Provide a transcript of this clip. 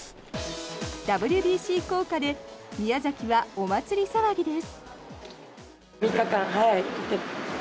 ＷＢＣ効果で宮崎はお祭り騒ぎです。